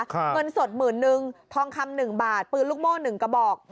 เงินสดหมื่นนึงทองคำหนึ่งบาทปืนลูกโม่๑กระบอก